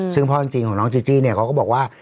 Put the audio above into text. ซึ่งพ่อจริงของน้องจีจี้เนี่ยเขาก็บอกว่า